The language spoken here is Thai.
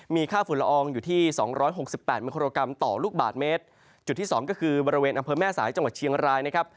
มีค่าฝุ่นละอองอยู่ที่สองร้อยหกสิบแปดมิโครกรัมต่อลูกบาทเมตรจุดที่สองก็คือบริเวณอำเภอแม่สายจังหวัดเชียงรายนะครับ